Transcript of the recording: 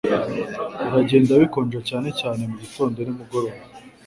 Biragenda bikonja cyane cyane mugitondo nimugoroba